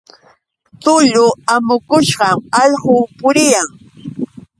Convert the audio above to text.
Tulla amukushqam allqu puriyan.